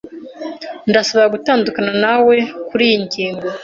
Ndasaba gutandukana nawe kuriyi ngingo.